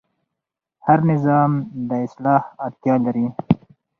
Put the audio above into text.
هر نظام د اصلاح اړتیا لري